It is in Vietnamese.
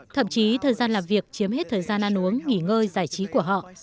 thậm chí thời gian làm việc chiếm hết thời gian ăn uống nghỉ ngơi giải trí của họ